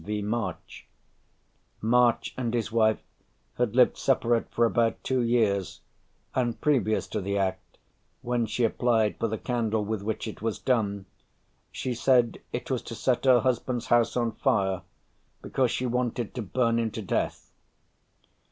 v. March: "March and his wife had lived separate for about two years; and, previous to the act, when she applied for the candle with which it was done, she said it was to set her husband's house on fire, because she wanted to burn him to death.